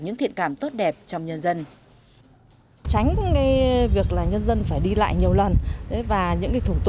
những thiện cảm tốt đẹp trong nhân dân